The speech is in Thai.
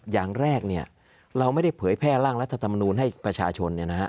อย่างแรกเราไม่ได้เผยแพร่ร่างรัฐธรรมนูลให้ประชาชน